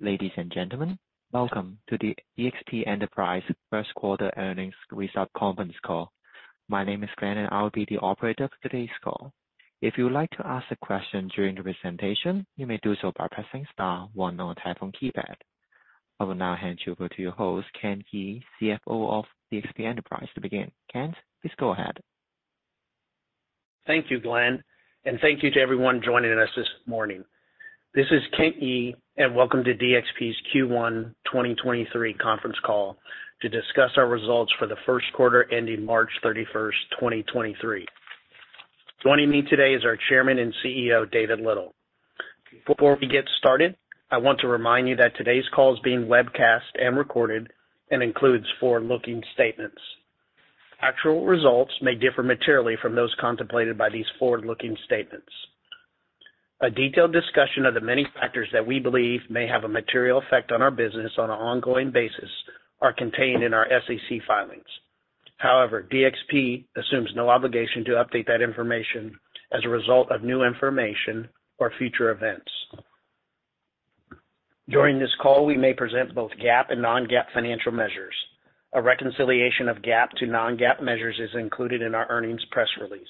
Ladies and gentlemen, welcome to the DXP Enterprises First Quarter Earnings Result Conference Call. My name is Glenn, and I'll be the operator for today's call. If you would like to ask a question during the presentation, you may do so by pressing star one on your telephone keypad. I will now hand you over to your host, Kent Yee, CFO of DXP Enterprises to begin. Kent, please go ahead. Thank you, Glenn. Thank you to everyone joining us this morning. This is Kent Yee, and welcome to DXP's Q1 2023 conference call to discuss our results for the first quarter ending March 31, 2023. Joining me today is our Chairman and CEO, David Little. Before we get started, I want to remind you that today's call is being webcast and recorded and includes forward-looking statements. Actual results may differ materially from those contemplated by these forward-looking statements. A detailed discussion of the many factors that we believe may have a material effect on our business on an ongoing basis are contained in our SEC filings. DXP assumes no obligation to update that information as a result of new information or future events. During this call, we may present both GAAP and non-GAAP financial measures. A reconciliation of GAAP to non-GAAP measures is included in our earnings press release.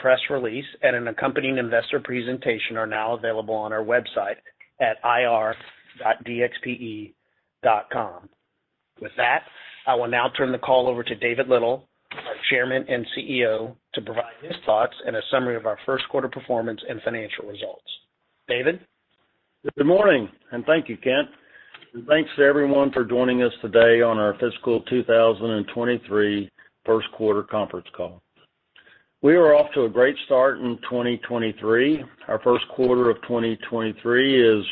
The press release and an accompanying investor presentation are now available on our website at ir.dxpe.com. With that, I will now turn the call over to David Little, our Chairman and CEO, to provide his thoughts and a summary of our first quarter performance and financial results. David? Good morning, thank you, Kent. Thanks to everyone for joining us today on our fiscal 2023 first quarter conference call. We are off to a great start in 2023. Our first quarter of 2023 is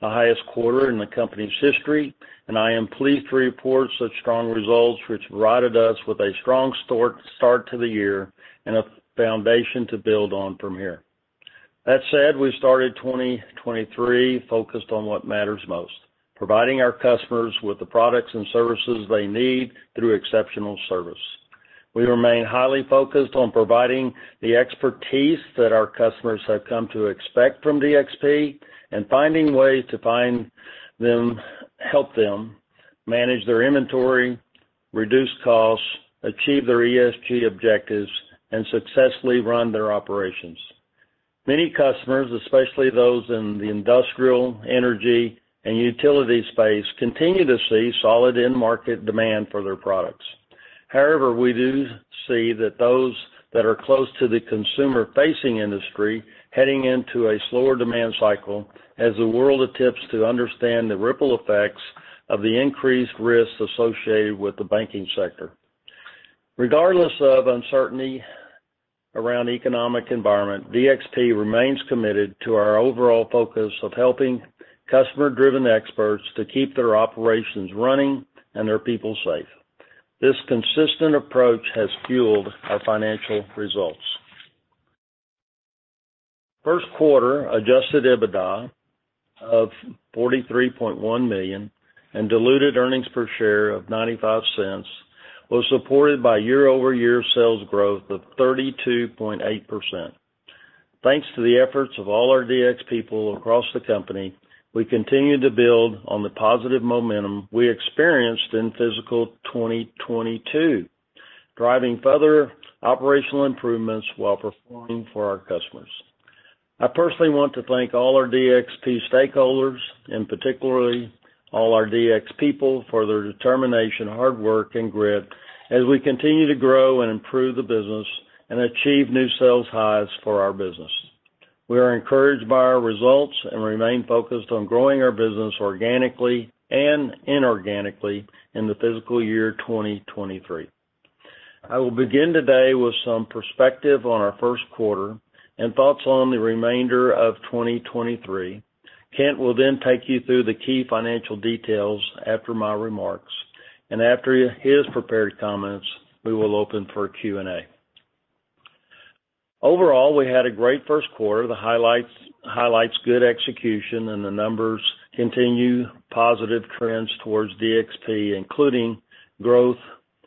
the highest quarter in the company's history, and I am pleased to report such strong results which provided us with a strong start to the year and a foundation to build on from here. That said, we started 2023 focused on what matters most, providing our customers with the products and services they need through exceptional service. We remain highly focused on providing the expertise that our customers have come to expect from DXP and finding ways to help them manage their inventory, reduce costs, achieve their ESG objectives, and successfully run their operations. Many customers, especially those in the industrial, energy, and utility space, continue to see solid end market demand for their products. We do see that those that are close to the consumer-facing industry heading into a slower demand cycle as the world attempts to understand the ripple effects of the increased risks associated with the banking sector. Regardless of uncertainty around economic environment, DXP remains committed to our overall focus of helping customer-driven experts to keep their operations running and their people safe. This consistent approach has fueled our financial results. First quarter adjusted EBITDA of $43.1 million and diluted earnings per share of $0.95 was supported by year-over-year sales growth of 32.8%. Thanks to the efforts of all our DXPeople across the company, we continue to build on the positive momentum we experienced in fiscal 2022, driving further operational improvements while performing for our customers. I personally want to thank all our DXP stakeholders, and particularly all our DXPeople, for their determination, hard work, and grit as we continue to grow and improve the business and achieve new sales highs for our business. We are encouraged by our results and remain focused on growing our business organically and inorganically in the fiscal year 2023. I will begin today with some perspective on our first quarter and thoughts on the remainder of 2023. Kent will then take you through the key financial details after my remarks, after his prepared comments, we will open for Q&A. Overall, we had a great first quarter. The highlights good execution, the numbers continue positive trends towards DXP, including growth,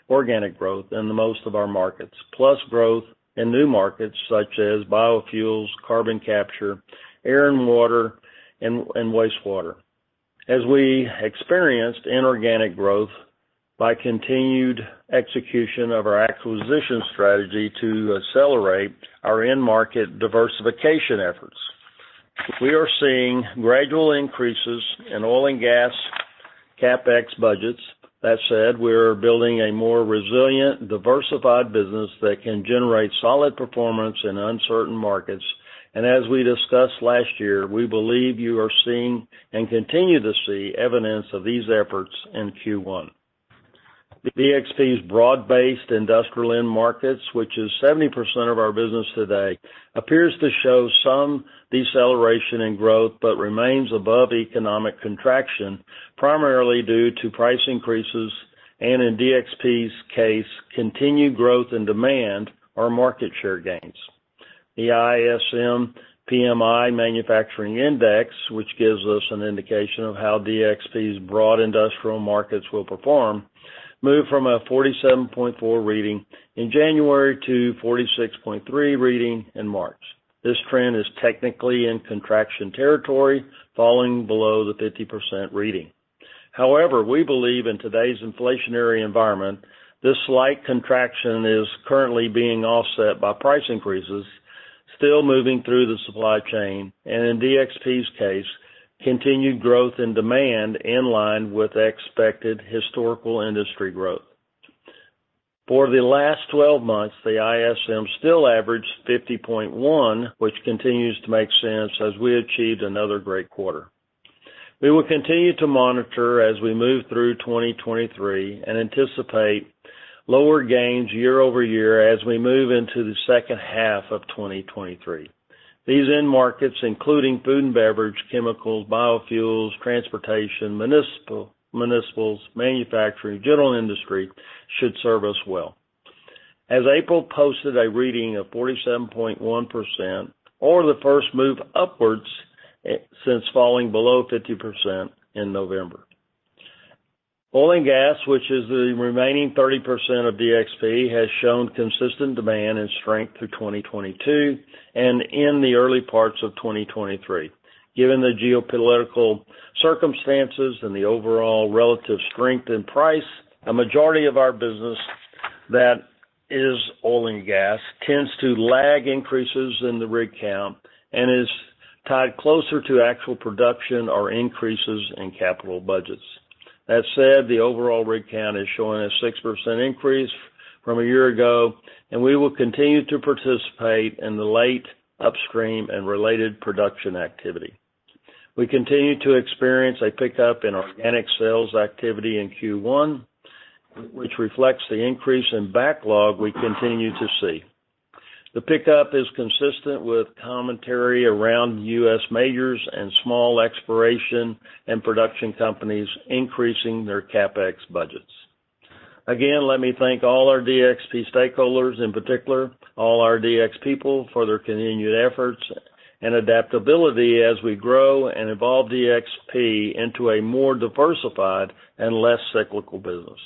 organic growth in most of our markets, plus growth in new markets such as biofuels, carbon capture, air and water, and wastewater. We experienced inorganic growth by continued execution of our acquisition strategy to accelerate our end market diversification efforts. We are seeing gradual increases in oil and gas CapEx budgets. That said, we are building a more resilient, diversified business that can generate solid performance in uncertain markets. As we discussed last year, we believe you are seeing and continue to see evidence of these efforts in Q1. DXP's broad-based industrial end markets, which is 70% of our business today, appears to show some deceleration in growth but remains above economic contraction, primarily due to price increases, and in DXP's case, continued growth in demand or market share gains. The ISM PMI manufacturing index, which gives us an indication of how DXP's broad industrial markets will perform. Moved from a 47.4% reading in January to a 46.3% reading in March. This trend is technically in contraction territory, falling below the 50% reading. We believe in today's inflationary environment, this slight contraction is currently being offset by price increases still moving through the supply chain, and in DXP's case, continued growth and demand in line with expected historical industry growth. For the last 12 months, the ISM still averaged 50.1%, which continues to make sense as we achieved another great quarter. We will continue to monitor as we move through 2023 and anticipate lower gains year-over-year as we move into the second half of 2023. These end markets, including food and beverage, chemicals, biofuels, transportation, municipals, manufacturing, general industry, should serve us well. April posted a reading of 47.1% or the first move upwards since falling below 50% in November. Oil and gas, which is the remaining 30% of DXP, has shown consistent demand and strength through 2022 and in the early parts of 2023. Given the geopolitical circumstances and the overall relative strength in price, a majority of our business that is oil and gas tends to lag increases in the rig count and is tied closer to actual production or increases in capital budgets. That said, the overall rig count is showing a 6% increase from a year ago, and we will continue to participate in the late upstream and related production activity. We continue to experience a pickup in organic sales activity in Q1, which reflects the increase in backlog we continue to see. The pickup is consistent with commentary around U.S. majors and small exploration and production companies increasing their CapEx budgets. Again, let me thank all our DXP stakeholders, in particular, all our DXPeople for their continued efforts and adaptability as we grow and evolve DXP into a more diversified and less cyclical business.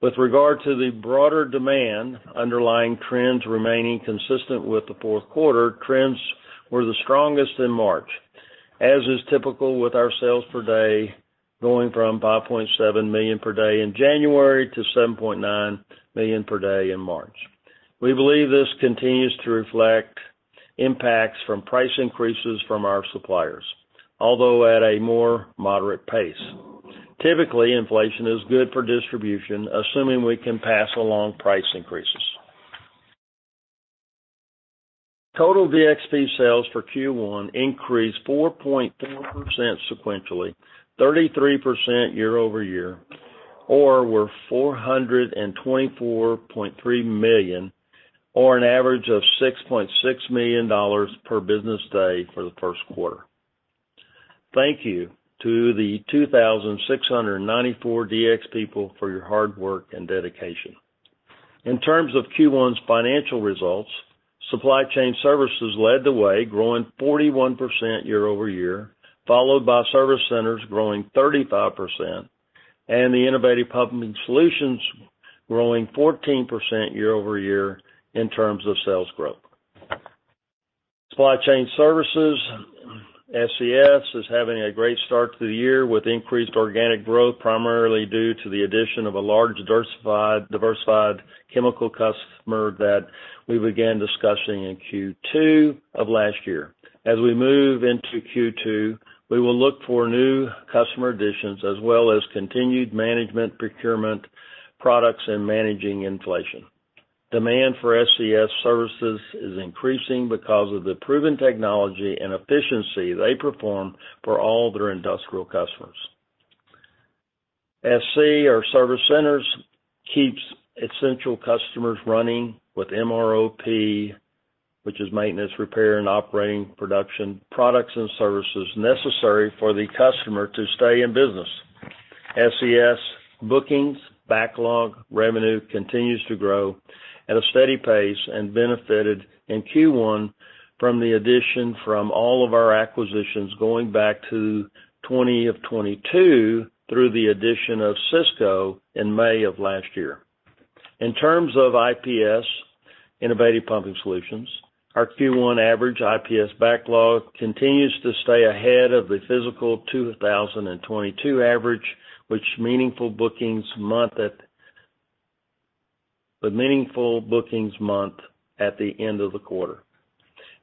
With regard to the broader demand, underlying trends remaining consistent with the fourth quarter, trends were the strongest in March, as is typical with our sales per day, going from $5.7 million per day in January to $7.9 million per day in March. We believe this continues to reflect impacts from price increases from our suppliers, although at a more moderate pace. Typically, inflation is good for distribution, assuming we can pass along price increases. Total DXP sales for Q1 increased 4.4% sequentially, 33% year-over-year, or were $424.3 million, or an average of $6.6 million per business day for the first quarter. Thank you to the 2,694 DXPeople for your hard work and dedication. In terms of Q1's financial results, Supply Chain Services led the way, growing 41% year-over-year, followed by Service Centers growing 35%, and the Innovative Pumping Solutions growing 14% year-over-year in terms of sales growth. Supply Chain Services, SCS, is having a great start to the year with increased organic growth, primarily due to the addition of a large diversified chemical customer that we began discussing in Q2 of last year. As we move into Q2, we will look for new customer additions as well as continued management procurement products and managing inflation. Demand for SCS services is increasing because of the proven technology and efficiency they perform for all their industrial customers. SC, our Service Centers, keeps essential customers running with MROP, which is maintenance, repair and operating production, products and services necessary for the customer to stay in business. SCS bookings, backlog, revenue continues to grow at a steady pace and benefited in Q1 from the addition from all of our acquisitions going back to 2022 through the addition of Cisco in May of last year. In terms of IPS, Innovative Pumping Solutions, our Q1 average IPS backlog continues to stay ahead of the fiscal 2022 average, meaningful bookings month at the end of the quarter.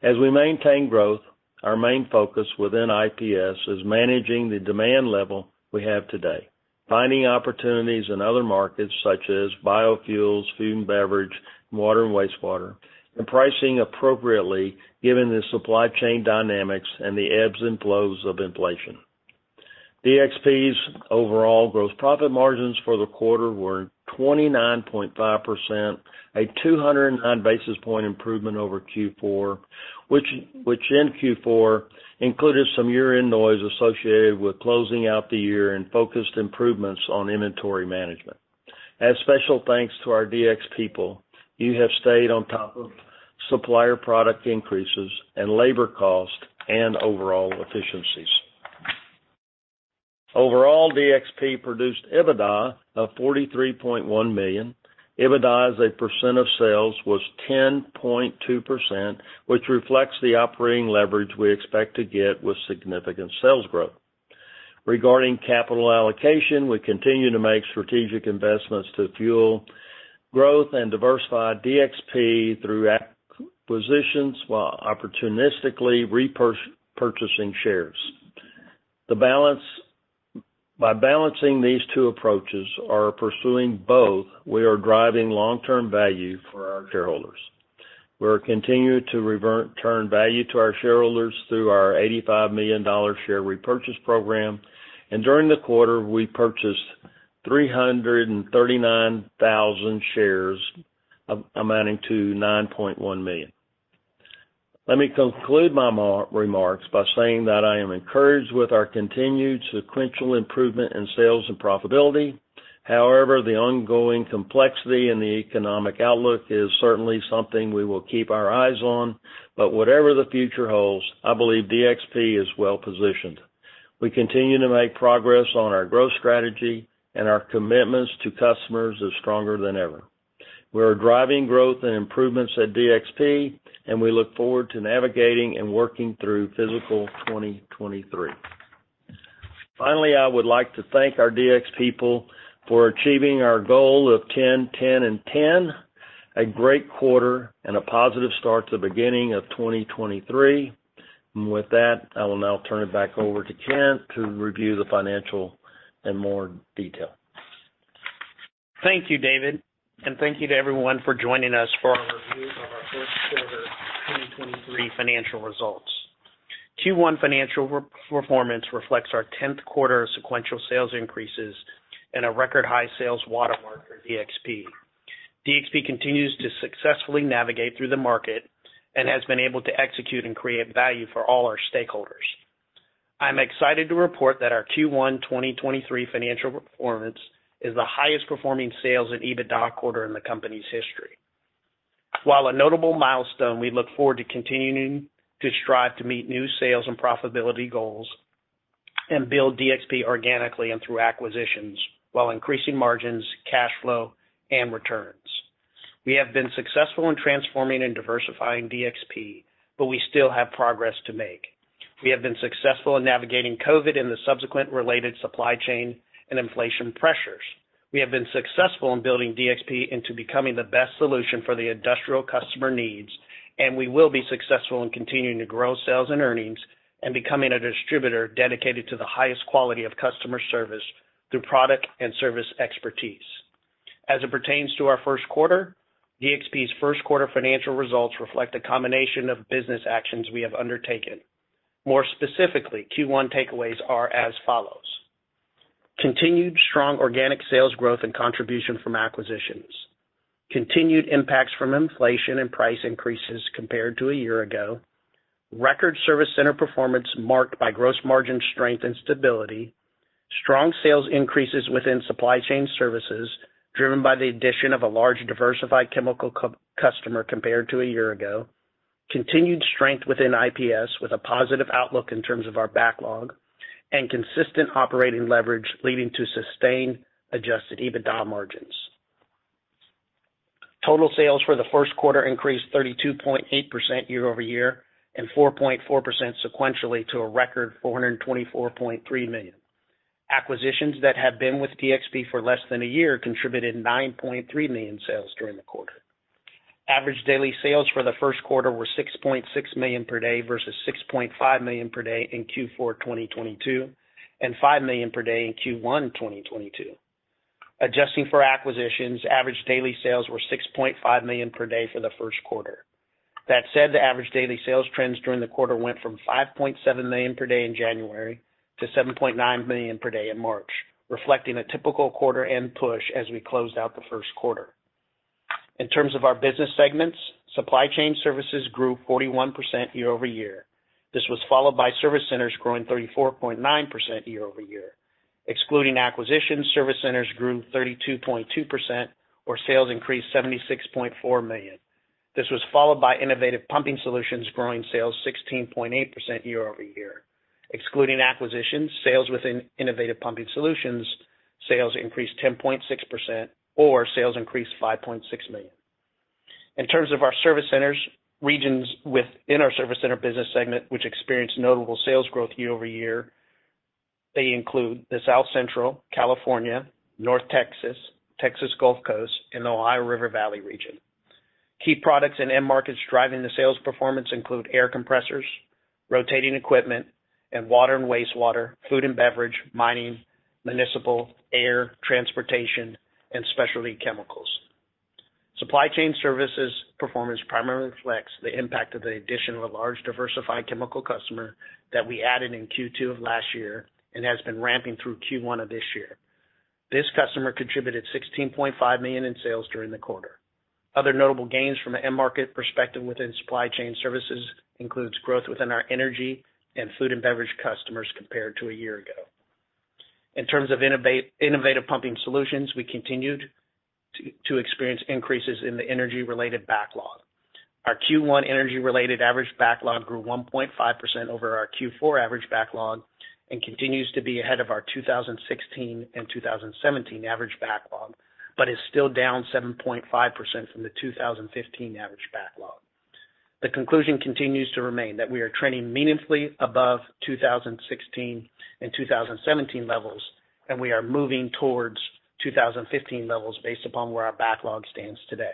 As we maintain growth, our main focus within IPS is managing the demand level we have today, finding opportunities in other markets such as biofuels, food and beverage, water and wastewater, and pricing appropriately given the supply chain dynamics and the ebbs and flows of inflation. DXP's overall gross profit margins for the quarter were 29.5%, a 209 basis point improvement over Q4, which in Q4 included some year-end noise associated with closing out the year and focused improvements on inventory management. As special thanks to our DXPeople, you have stayed on top of supplier product increases and labor cost and overall efficiencies. Overall, DXP produced EBITDA of $43.1 million. EBITDA as a percent of sales was 10.2%, which reflects the operating leverage we expect to get with significant sales growth. Regarding capital allocation, we continue to make strategic investments to fuel growth and diversify DXP through acquisitions while opportunistically purchasing shares. By balancing these two approaches or pursuing both, we are driving long-term value for our shareholders. We're continuing to return value to our shareholders through our $85 million share repurchase program. During the quarter, we purchased 339,000 shares, amounting to $9.1 million. Let me conclude my remarks by saying that I am encouraged with our continued sequential improvement in sales and profitability. The ongoing complexity in the economic outlook is certainly something we will keep our eyes on. Whatever the future holds, I believe DXP is well-positioned. We continue to make progress on our growth strategy, our commitments to customers is stronger than ever. We are driving growth and improvements at DXP. We look forward to navigating and working through fiscal 2023. Finally, I would like to thank our DXPeople for achieving our goal of 10, 10 and 10. A great quarter and a positive start to the beginning of 2023. With that, I will now turn it back over to Kent to review the financial in more detail. Thank you, David, and thank you to everyone for joining us for our review of our first quarter 2023 financial results. Q1 financial re-performance reflects our 10th quarter of sequential sales increases and a record high sales watermark for DXP. DXP continues to successfully navigate through the market and has been able to execute and create value for all our stakeholders. I'm excited to report that our Q1 2023 financial performance is the highest performing sales and EBITDA quarter in the company's history. While a notable milestone, we look forward to continuing to strive to meet new sales and profitability goals and build DXP organically and through acquisitions while increasing margins, cash flow, and returns. We have been successful in transforming and diversifying DXP, but we still have progress to make. We have been successful in navigating COVID and the subsequent related supply chain and inflation pressures. We have been successful in building DXP into becoming the best solution for the industrial customer needs, and we will be successful in continuing to grow sales and earnings and becoming a distributor dedicated to the highest quality of customer service through product and service expertise. As it pertains to our first quarter, DXP's first quarter financial results reflect a combination of business actions we have undertaken. More specifically, Q1 takeaways are as follows: Continued strong organic sales growth and contribution from acquisitions. Continued impacts from inflation and price increases compared to a year ago. Record Service Center performance marked by gross margin strength and stability. Strong sales increases within Supply Chain Services, driven by the addition of a large diversified chemical customer compared to a year ago. Continued strength within IPS with a positive outlook in terms of our backlog and consistent operating leverage leading to sustained adjusted EBITDA margins. Total sales for the first quarter increased 32.8% year-over-year and 4.4% sequentially to a record $424.3 million. Acquisitions that have been with DXP for less than a year contributed $9.3 million sales during the quarter. Average daily sales for the first quarter were $6.6 million per day versus $6.5 million per day in Q4 2022, and $5 million per day in Q1 2022. Adjusting for acquisitions, average daily sales were $6.5 million per day for the first quarter. The average daily sales trends during the quarter went from $5.7 million per day in January to $7.9 million per day in March, reflecting a typical quarter-end push as we closed out the first quarter. In terms of our business segments, Supply Chain Services grew 41% year-over-year. This was followed by Service Centers growing 34.9% year-over-year. Excluding acquisitions, Service Centers grew 32.2%, or sales increased $76.4 million. This was followed by Innovative Pumping Solutions growing sales 16.8% year-over-year. Excluding acquisitions, sales within Innovative Pumping Solutions increased 10.6%, or sales increased $5.6 million. In terms of our Service Centers, regions within our Service Center business segment, which experienced notable sales growth year-over-year, they include the South Central, California, North Texas Gulf Coast, and the Ohio River Valley region. Key products and end markets driving the sales performance include air compressors, rotating equipment, and water and wastewater, food and beverage, mining, municipal, air, transportation, and specialty chemicals. Supply Chain Services performance primarily reflects the impact of the addition of a large diversified chemical customer that we added in Q2 of last year and has been ramping through Q1 of this year. This customer contributed $16.5 million in sales during the quarter. Other notable gains from an end market perspective within Supply Chain Services includes growth within our energy and food and beverage customers compared to a year ago. In terms of Innovative Pumping Solutions, we continued to experience increases in the energy-related backlog. Our Q1 energy-related average backlog grew 1.5% over our Q4 average backlog and continues to be ahead of our 2016 and 2017 average backlog, is still down 7.5% from the 2015 average backlog. The conclusion continues to remain that we are trending meaningfully above 2016 and 2017 levels, we are moving towards 2015 levels based upon where our backlog stands today.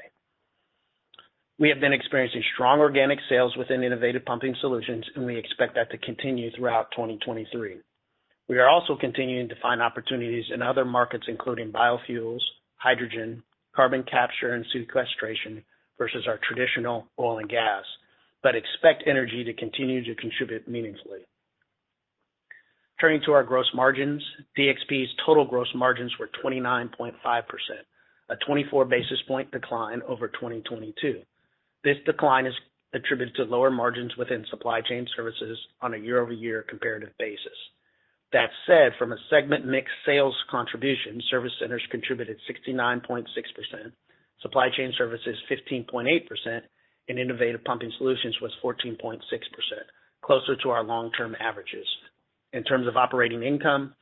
We have been experiencing strong organic sales within Innovative Pumping Solutions, we expect that to continue throughout 2023. We are also continuing to find opportunities in other markets, including biofuels, hydrogen, carbon capture and sequestration, versus our traditional oil and gas, expect energy to continue to contribute meaningfully. Turning to our gross margins, DXP's total gross margins were 29.5%, a 24 basis point decline over 2022. This decline is attributed to lower margins within Supply Chain Services on a year-over-year comparative basis. That said, from a segment mix sales contribution, Service Centers contributed 69.6%, Supply Chain Services 15.8%, and Innovative Pumping Solutions was 14.6%, closer to our long-term averages. In terms of operating income,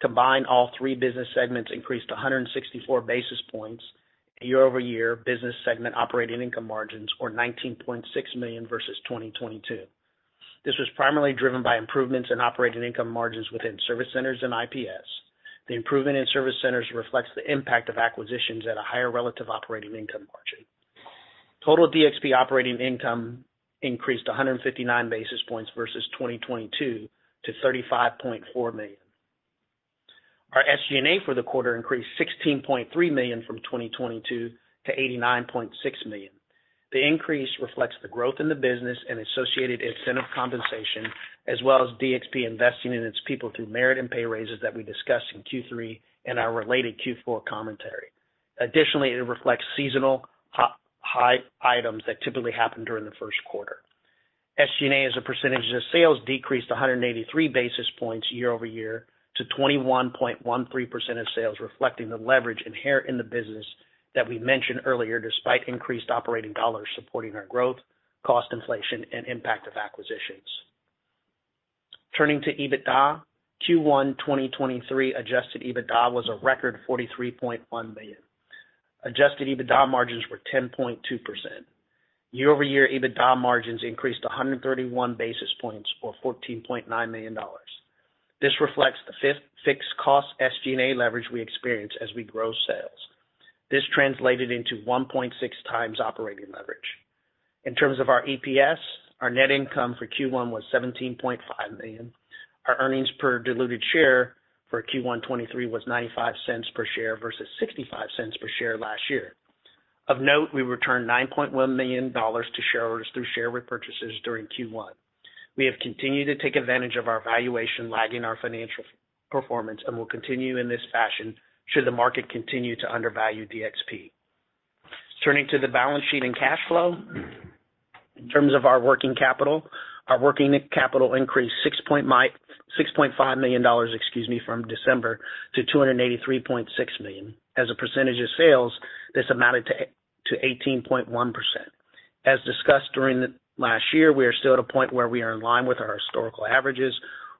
combined all three business segments increased 164 basis points year-over-year business segment operating income margins or $19.6 million versus 2022. This was primarily driven by improvements in operating income margins within Service Centers and IPS. The improvement in Service Centers reflects the impact of acquisitions at a higher relative operating income margin. Total DXP operating income increased 159 basis points versus 2022 to $35.4 million. Our SG&A for the quarter increased $16.3 million from 2022 to $89.6 million. The increase reflects the growth in the business and associated incentive compensation, as well as DXP investing in its people through merit and pay raises that we discussed in Q3 and our related Q4 commentary. It reflects seasonal high items that typically happen during the first quarter. SG&A as a percentage of sales decreased 183 basis points year-over-year to 21.13% of sales, reflecting the leverage inherent in the business that we mentioned earlier, despite increased operating dollars supporting our growth, cost inflation, and impact of acquisitions. Turning to EBITDA, Q1 2023 adjusted EBITDA was a record $43.1 million. Adjusted EBITDA margins were 10.2%. Year-over-year EBITDA margins increased 131 basis points or $14.9 million. This reflects the fixed cost SG&A leverage we experience as we grow sales. This translated into 1.6x operating leverage. In terms of our EPS, our net income for Q1 was $17.5 million. Our earnings per diluted share for Q1 2023 was $0.95 per share versus $0.65 per share last year. Of note, we returned $9.1 million to shareholders through share repurchases during Q1. We have continued to take advantage of our valuation lagging our financial performance and will continue in this fashion should the market continue to undervalue DXP. Turning to the balance sheet and cash flow. In terms of our working capital, our working capital increased $6.5 million, excuse me, from December to $283.6 million. As a percentage of sales, this amounted to 18.1%. As discussed during the last year, we are still at a point where we are in line with our historical averages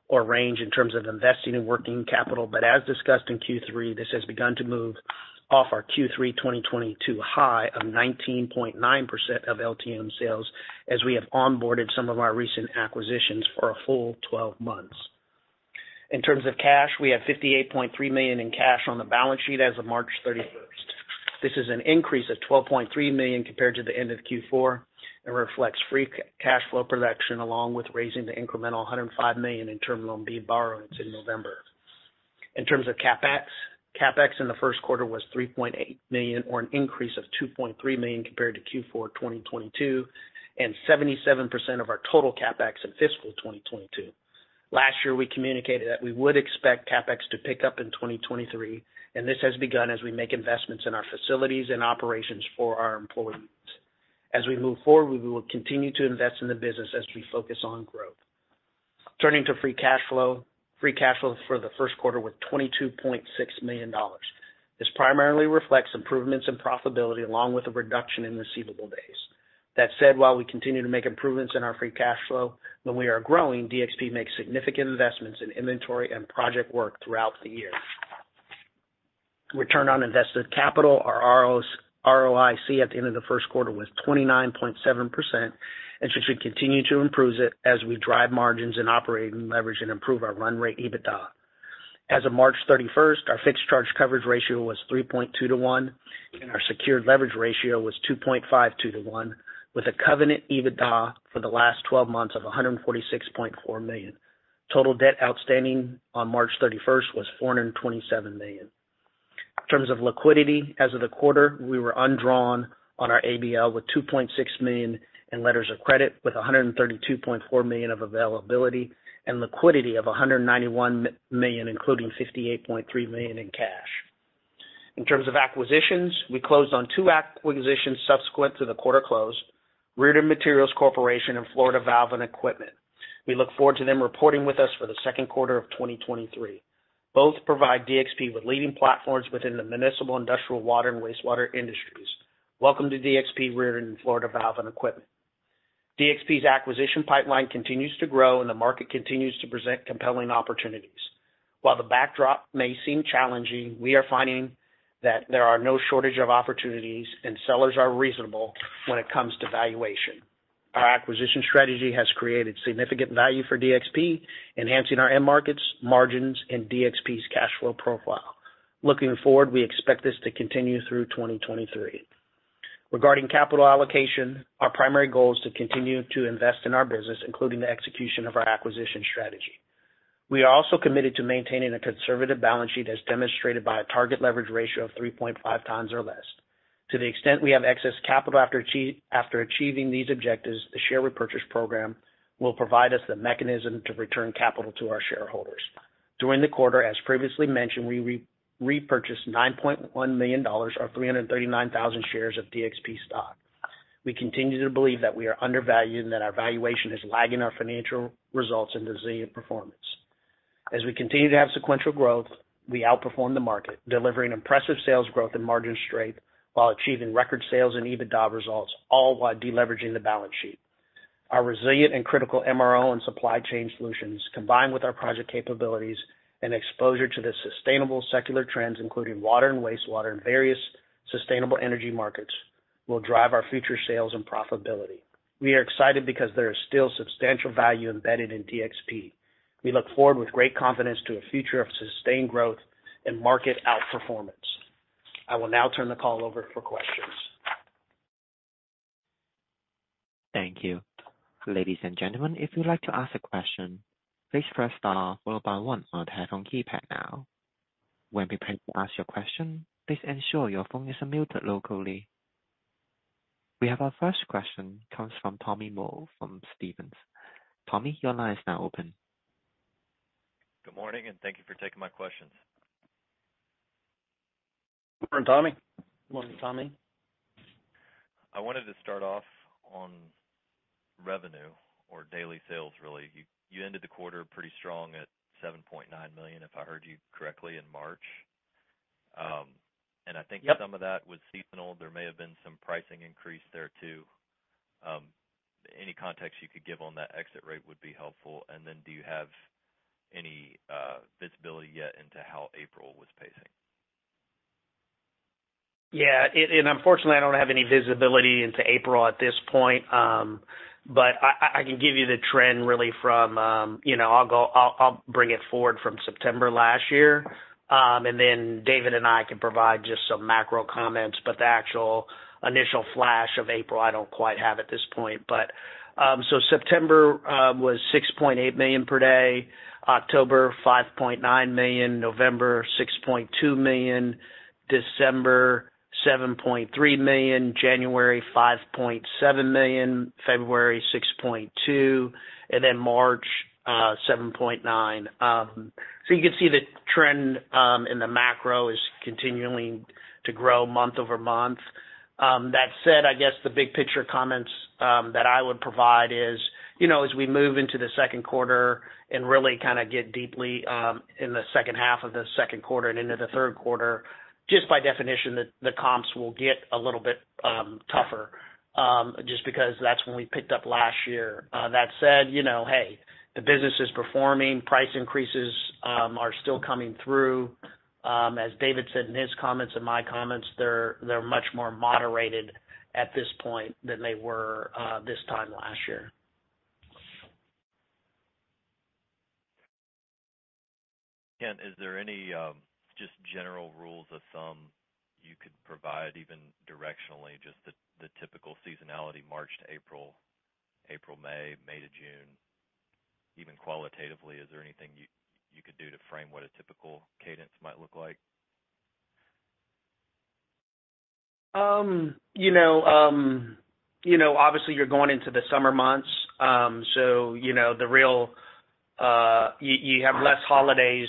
or range in terms of investing in working capital, but as discussed in Q3, this has begun to move off our Q3 2022 high of 19.9% of LTM sales as we have onboarded some of our recent acquisitions for a full 12 months. In terms of cash, we have $58.3 million in cash on the balance sheet as of March 31st. This is an increase of $12.3 million compared to the end of Q4 and reflects free cash flow production along with raising the incremental $105 million in Term Loan B borrowings in November. In terms of CapEx in the first quarter was $3.8 million or an increase of $2.3 million compared to Q4 2022 and 77% of our total CapEx in fiscal 2022. Last year, we communicated that we would expect CapEx to pick up in 2023, and this has begun as we make investments in our facilities and operations for our employees. As we move forward, we will continue to invest in the business as we focus on growth. Turning to free cash flow. Free cash flow for the first quarter was $22.6 million. This primarily reflects improvements in profitability along with a reduction in receivable days. That said, while we continue to make improvements in our free cash flow, when we are growing, DXP makes significant investments in inventory and project work throughout the year. Return on invested capital or ROIC at the end of the first quarter was 29.7% and should continue to improve as we drive margins and operating leverage and improve our run rate EBITDA. As of March 31st, our fixed charge coverage ratio was 3.2 to 1, and our secured leverage ratio was 2.52 to 1, with a covenant EBITDA for the last twelve months of $146.4 million. Total debt outstanding on March 31st was $427 million. In terms of liquidity, as of the quarter, we were undrawn on our ABL with $2.6 million in letters of credit with $132.4 million of availability and liquidity of $191 million, including $58.3 million in cash. In terms of acquisitions, we closed on two acquisitions subsequent to the quarter close, Riordan Materials Corporation and Florida Valve & Equipment. We look forward to them reporting with us for the second quarter of 2023. Both provide DXP with leading platforms within the municipal industrial water and wastewater industries. Welcome to DXP Riordan and Florida Valve & Equipment. DXP's acquisition pipeline continues to grow, and the market continues to present compelling opportunities. While the backdrop may seem challenging, we are finding that there are no shortage of opportunities, and sellers are reasonable when it comes to valuation. Our acquisition strategy has created significant value for DXP, enhancing our end markets, margins, and DXP's cash flow profile. Looking forward, we expect this to continue through 2023. Regarding capital allocation, our primary goal is to continue to invest in our business, including the execution of our acquisition strategy. We are also committed to maintaining a conservative balance sheet as demonstrated by a target leverage ratio of 3.5x or less. To the extent we have excess capital after achieving these objectives, the share repurchase program will provide us the mechanism to return capital to our shareholders. During the quarter, as previously mentioned, we repurchased $9.1 million or 339,000 shares of DXP stock. We continue to believe that we are undervalued and that our valuation is lagging our financial results and resilient performance. As we continue to have sequential growth, we outperform the market, delivering impressive sales growth and margin strength while achieving record sales and EBITDA results, all while deleveraging the balance sheet. Our resilient and critical MRO and Supply Chain Solutions, combined with our project capabilities and exposure to the sustainable secular trends, including water and wastewater and various sustainable energy markets, will drive our future sales and profitability. We are excited because there is still substantial value embedded in DXP. We look forward with great confidence to a future of sustained growth and market outperformance. I will now turn the call over for questions. Thank you. Ladies and gentlemen, if you'd like to ask a question, please press star followed by one on the telephone keypad now. When prepared to ask your question, please ensure your phone isn't muted locally. We have our first question comes from Tommy Moll from Stephens. Tommy, your line is now open. Good morning, thank you for taking my questions. Good morning, Tommy. Morning, Tommy. I wanted to start off on revenue or daily sales, really. You ended the quarter pretty strong at $7.9 million, if I heard you correctly, in March. Yep. Some of that was seasonal. There may have been some pricing increase there too. any context you could give on that exit rate would be helpful. Then do you have any visibility yet into how April was pacing? Yeah. Unfortunately, I don't have any visibility into April at this point. I can give you the trend really from, you know, I'll bring it forward from September last year. David and I can provide just some macro comments, but the actual initial flash of April, I don't quite have at this point. September was $6.8 million per day, October, $5.9 million, November, $6.2 million, December, $7.3 million, January, $5.7 million, February, $6.2 million, March, $7.9 million. You can see the trend in the macro is continuing to grow month-over-month. That said, I guess the big picture comments that I would provide is, you know, as we move into the second quarter and really kind of get deeply in the second half of the second quarter and into the third quarter, just by definition, the comps will get a little bit tougher, just because that's when we picked up last year. That said, you know, hey, the business is performing. Price increases are still coming through. As David said in his comments and my comments, they're much more moderated at this point than they were this time last year. Is there any, just general rules of thumb you could provide even directionally, just the typical seasonality March to April May to June? Even qualitatively, is there anything you could do to frame what a typical cadence might look like? You know, you know, obviously you're going into the summer months. You know, the real, you have less holidays,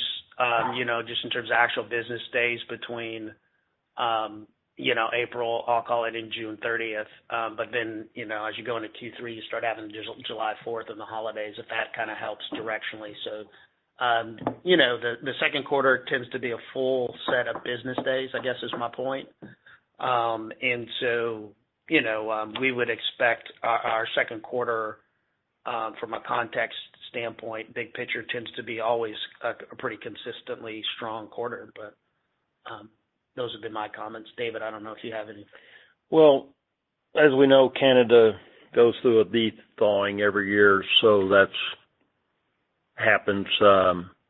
you know, just in terms of actual business days between, you know, April, I'll call it, and June 30th. You know, as you go into Q3, you start having July 4th and the holidays. If that kind of helps directionally. You know, the second quarter tends to be a full set of business days, I guess is my point. You know, we would expect our second quarter, from a context standpoint, big picture tends to be always a pretty consistently strong quarter. Those have been my comments. David, I don't know if you have any. As we know, Canada goes through a deep thawing every year. That's happens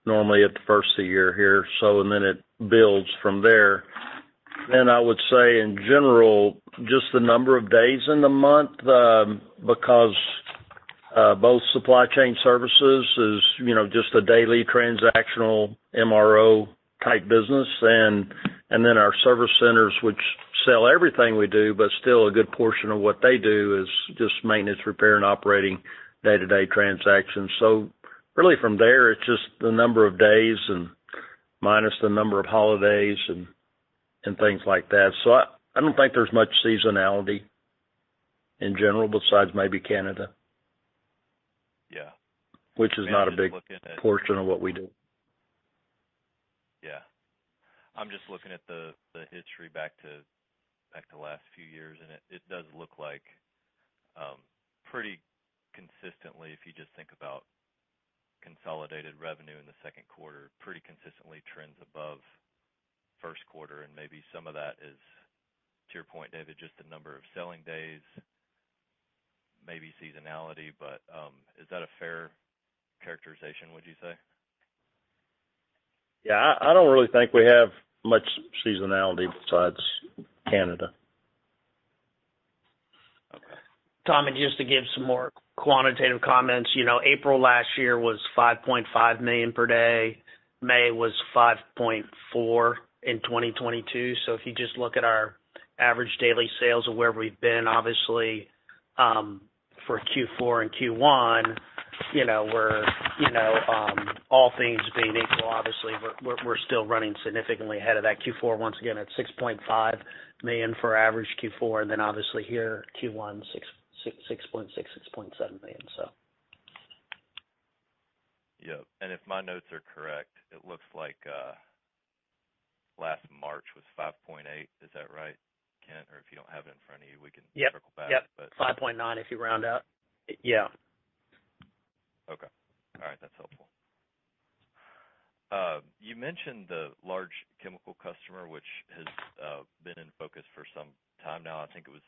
normally at the first of the year here. It builds from there. I would say in general, just the number of days in the month, because both Supply Chain Services is, you know, just a daily transactional MRO type business and then our Service Centers, which sell everything we do, but still a good portion of what they do is just maintenance, repair, and operating day-to-day transactions. Really from there, it's just the number of days and minus the number of holidays and things like that. I don't think there's much seasonality in general besides maybe Canada. Yeah. Which is not a big portion of what we do. I'm just looking at the history back to, back to last few years, it does look like pretty consistently, if you just think about consolidated revenue in the second quarter, pretty consistently trends above first quarter, maybe some of that is, to your point, David, just the number of selling days, maybe seasonality, but, is that a fair characterization, would you say? I don't really think we have much seasonality besides Canada. Okay. Tom, just to give some more quantitative comments. You know, April last year was $5.5 million per day. May was $5.4 million in 2022. If you just look at our average daily sales of where we've been, obviously, for Q4 and Q1, you know, we're, you know, all things being equal, obviously, we're still running significantly ahead of that Q4 once again at $6.5 million for average Q4. Obviously here, Q1, $6.6 million, $6.7 million, so. Yeah. If my notes are correct, it looks like, last March was $5.8 million. Is that right, Kent, if you don't have it in front of you? Yeah... circle back. Yeah. $5.9 million if you round up. Yeah. All right. That's helpful. You mentioned the large chemical customer, which has been in focus for some time now. I think it was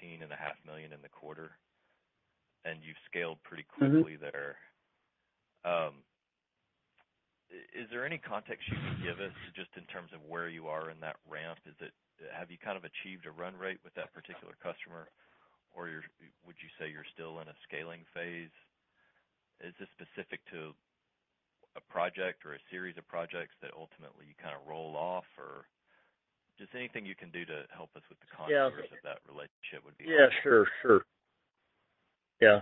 $16.5 million in the quarter, and you've scaled pretty quickly there. Is there any context you can give us just in terms of where you are in that ramp? Have you kind of achieved a run rate with that particular customer, or would you say you're still in a scaling phase? Is this specific to a project or a series of projects that ultimately you kind of roll off? Or just anything you can do to help us with the contours? Yeah. of that relationship would be helpful. Yeah, sure. Yeah.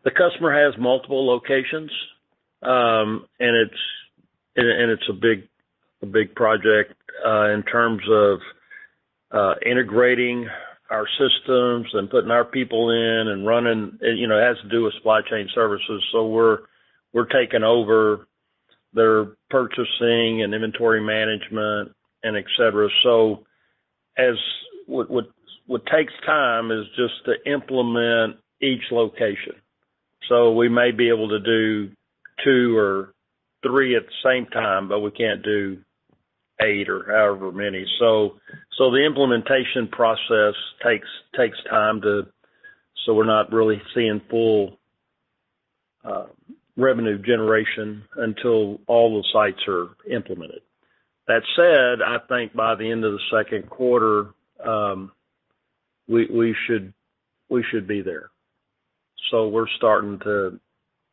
The customer has multiple locations, and it's a big project in terms of integrating our systems and putting our people in and running. You know, it has to do with Supply Chain Services. We're taking over their purchasing and inventory management and et cetera. What takes time is just to implement each location. We may be able to do two or three at the same time, but we can't do eight or however many. The implementation process takes time to. We're not really seeing full revenue generation until all the sites are implemented. That said, I think by the end of the second quarter, we should be there. We're starting to.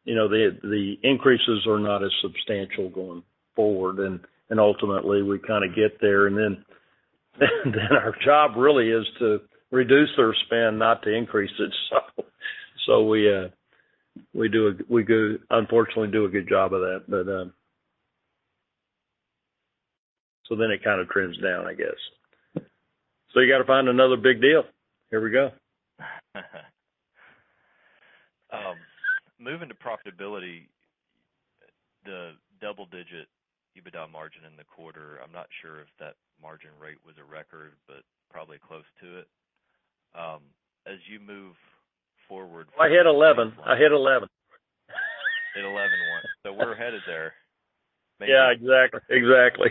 You know, the increases are not as substantial going forward, and ultimately we kinda get there, and then, and then our job really is to reduce their spend, not to increase it. We do unfortunately, do a good job of that. It kind of trims down, I guess. You gotta find another big deal. Here we go. Moving to profitability, the double-digit EBITDA margin in the quarter, I'm not sure if that margin rate was a record, but probably close to it. I hit 11. I hit 11. Hit 11 once. We're headed there maybe. Yeah, exactly. Exactly.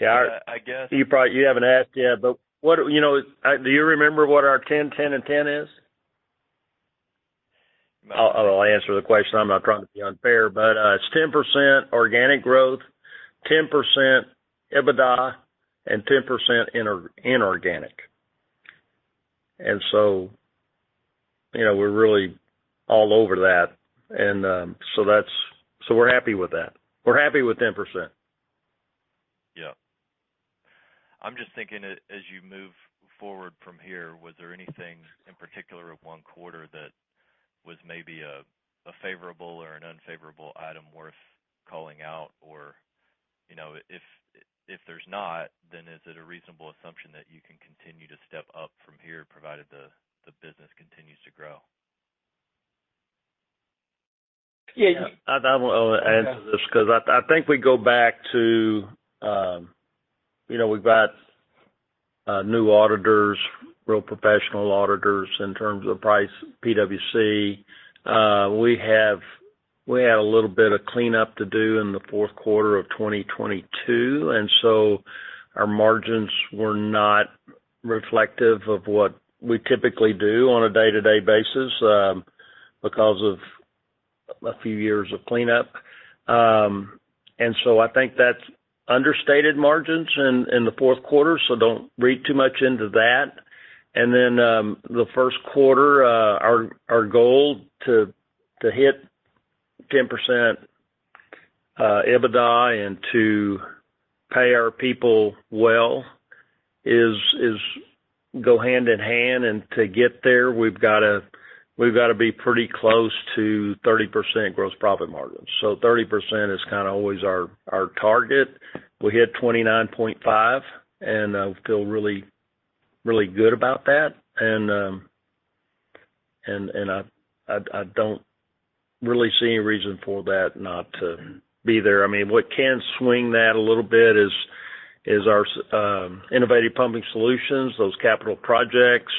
Yeah. I guess. You haven't asked yet. You know, do you remember what our 10, 10, and 10 is? I'll answer the question, I'm not trying to be unfair. It's 10% organic growth, 10% EBITDA, and 10% inorganic. You know, we're really all over that and we're happy with that. We're happy with 10%. Yeah. I'm just thinking as you move forward from here, was there anything in particular of one quarter that was maybe a favorable or an unfavorable item worth calling out? Or, you know, if there's not, then is it a reasonable assumption that you can continue to step up from here, provided the business continues to grow? Yeah. Yeah. I wanna answer this 'cause I think we go back to, you know, we've got new auditors, real professional auditors in terms of price, PwC. We had a little bit of cleanup to do in the fourth quarter of 2022, and so our margins were not reflective of what we typically do on a day-to-day basis because of a few years of cleanup. I think that's understated margins in the fourth quarter, so don't read too much into that. Then, the first quarter, our goal to hit 10% EBITDA and to pay our people well is go hand in hand. To get there, we've gotta be pretty close to 30% gross profit margin. 30% is kind of always our target. We hit 29.5%, and I feel really, really good about that. I don't really see any reason for that not to be there. I mean, what can swing that a little bit is our Innovative Pumping Solutions, those capital projects.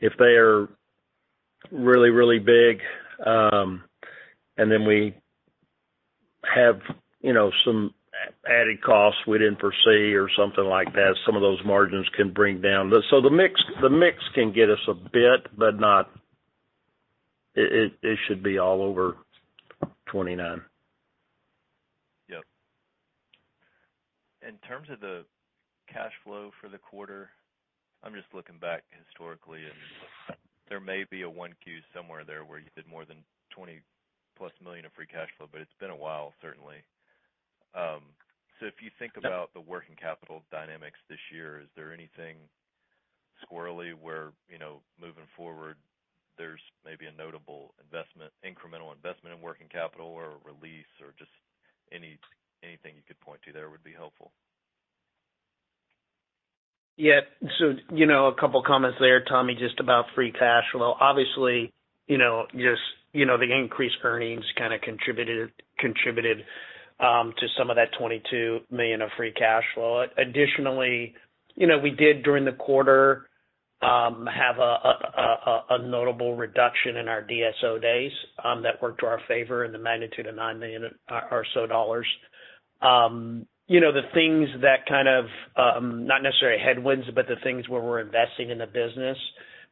If they are really, really big, and then we have, you know, some added costs we didn't foresee or something like that, some of those margins can bring down. The mix can get us a bit, but not, It should be all over 29%. Yep. In terms of the cash flow for the quarter, I'm just looking back historically, and there may be a 1Q somewhere there where you did more than $20 million+ of free cash flow, but it's been a while, certainly. If you think about the working capital dynamics this year, is there anything squirrelly where, you know, moving forward, there's maybe a notable incremental investment in working capital or a release or just anything you could point to there would be helpful. You know, a couple comments there, Tommy, just about free cash flow. Obviously, you know, just, you know, the increased earnings kind of contributed to some of that $22 million of free cash flow. Additionally, you know, we did, during the quarter, have a notable reduction in our DSO days that worked to our favor in the magnitude of $9 million or so. You know, the things that kind of not necessarily headwinds, but the things where we're investing in the business,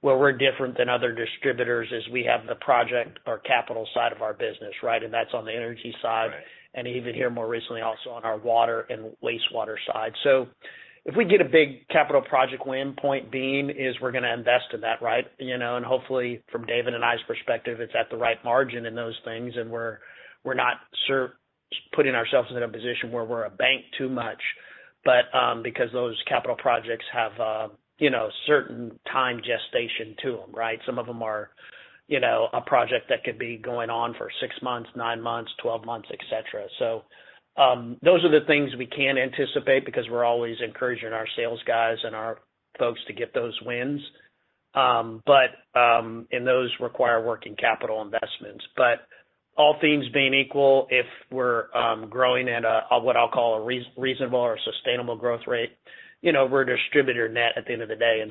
where we're different than other distributors is we have the project or capital side of our business, right? That's on the energy side. Right. Even here more recently, also on our water and wastewater side. If we get a big capital project win, point being is we're gonna invest in that, right? You know, hopefully from David and I's perspective, it's at the right margin in those things, and we're not putting ourselves in a position where we're a bank too much. Because those capital projects have, you know, certain time gestation to them, right? Some of them are, you know, a project that could be going on for six months, nine months, 12 months, et cetera. Those are the things we can't anticipate because we're always encouraging our sales guys and our folks to get those wins. Those require working capital investments. All things being equal, if we're growing at a what I'll call a reasonable or sustainable growth rate, you know, we're a distributor net at the end of the day.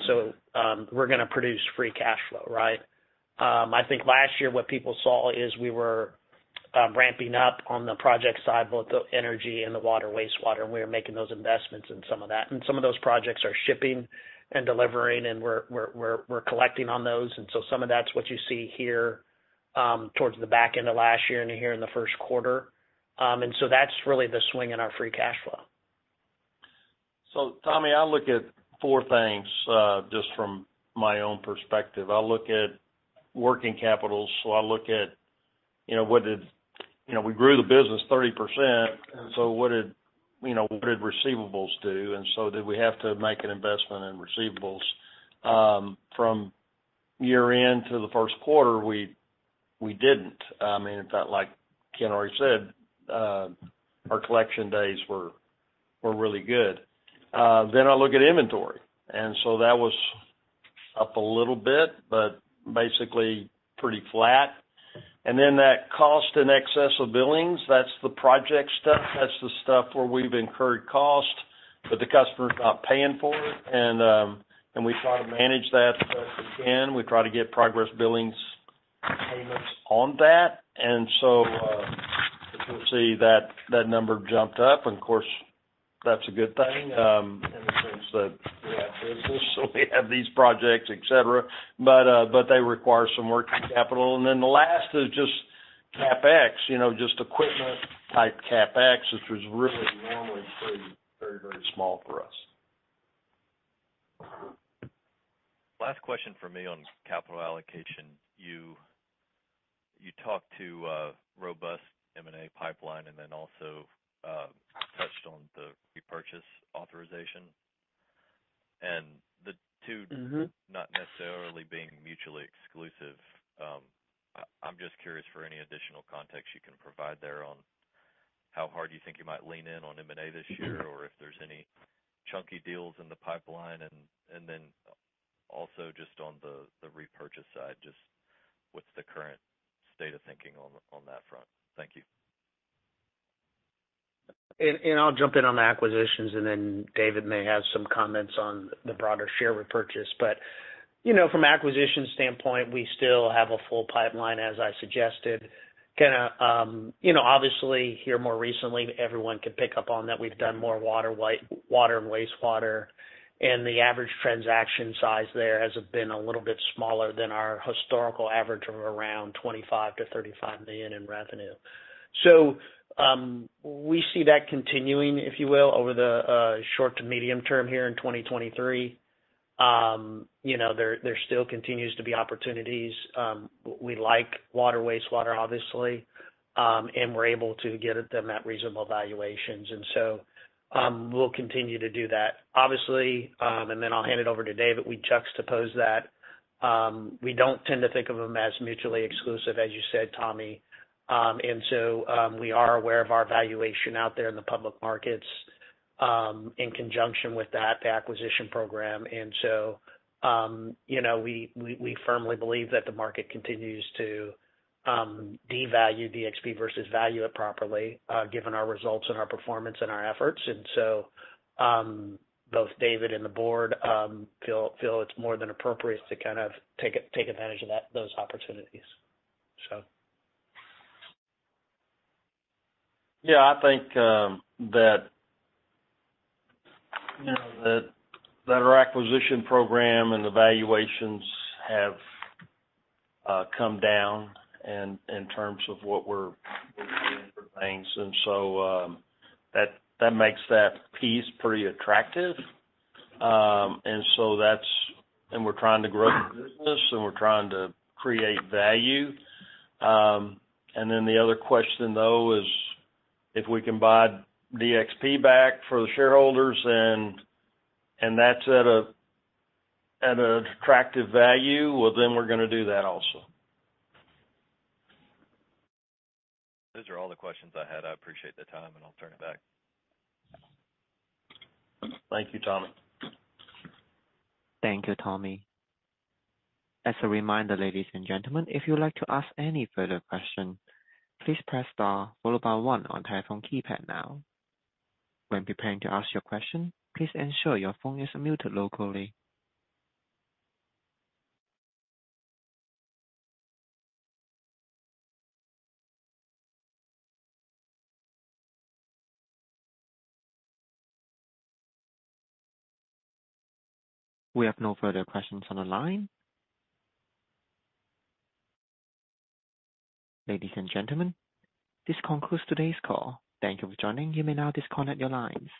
We're gonna produce free cash flow, right? I think last year what people saw is we were ramping up on the project side, both the energy and the water, wastewater, and we are making those investments in some of that. Some of those projects are shipping and delivering, and we're collecting on those. Some of that's what you see here towards the back end of last year and here in the first quarter. That's really the swing in our free cash flow. Tommy, I look at four things, just from my own perspective. I look at working capital. I look at, you know, what did. You know, we grew the business 30%, what did, you know, what did receivables do? Did we have to make an investment in receivables? From year-end to the first quarter, we didn't. I mean, in fact, like Kent already said, our collection days were really good. Then I look at inventory, that was up a little bit, but basically pretty flat. Then that costs in excess of billings, that's the project stuff. That's the stuff where we've incurred cost, but the customer is not paying for it. We try to manage that the best we can. We try to get progress billings payments on that. As you'll see, that number jumped up. That's a good thing, in the sense that we have business, so we have these projects, et cetera. They require some working capital. The last is just CapEx, you know, just equipment type CapEx, which was really normally pretty, very small for us. Last question for me on capital allocation. You talked to a robust M&A pipeline and then also, touched on the repurchase authorization. Mm-hmm Not necessarily being mutually exclusive. I'm just curious for any additional context you can provide there on how hard you think you might lean in on M&A this year? Mm-hmm Or if there's any chunky deals in the pipeline. Also just on the repurchase side, just what's the current state of thinking on that front? Thank you. I'll jump in on the acquisitions, and then David may have some comments on the broader share repurchase. You know, from acquisition standpoint, we still have a full pipeline, as I suggested. Kinda, you know, obviously here more recently, everyone can pick up on that we've done more water and wastewater. The average transaction size there has been a little bit smaller than our historical average of around $25 million-$35 million in revenue. We see that continuing, if you will, over the short to medium term here in 2023. You know, there still continues to be opportunities. We like water, wastewater, obviously, and we're able to get at them at reasonable valuations. We'll continue to do that. Obviously, and then I'll hand it over to David. We juxtapose that. We don't tend to think of them as mutually exclusive, as you said, Tommy. We are aware of our valuation out there in the public markets, in conjunction with that, the acquisition program. You know, we, we firmly believe that the market continues to devalue DXP versus value it properly, given our results and our performance and our efforts. Both David and the board feel it's more than appropriate to kind of take advantage of those opportunities. Yeah. I think, you know, that our acquisition program and the valuations have come down in terms of what we're looking for things. That makes that piece pretty attractive. We're trying to grow the business, and we're trying to create value. The other question, though, is if we can buy DXP back for the shareholders and that's at a, at an attractive value, well, then we're gonna do that also. Those are all the questions I had. I appreciate the time, and I'll turn it back. Thank you, Tommy. Thank you, Tommy. As a reminder, ladies and gentlemen, if you would like to ask any further question, please press star followed by one on telephone keypad now. When preparing to ask your question, please ensure your phone is muted locally. We have no further questions on the line. Ladies and gentlemen, this concludes today's call. Thank you for joining. You may now disconnect your lines.